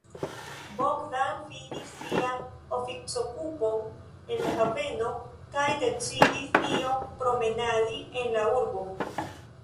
Bogdan finis sian oficokupon en la haveno kaj decidis iom promenadi en la urbo.